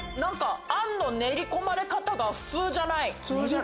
あんの練り込まれ方が普通じゃない。